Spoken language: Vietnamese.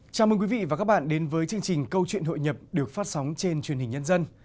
chào mừng quý vị và các bạn đến với chương trình câu chuyện hội nhập được phát sóng trên truyền hình nhân dân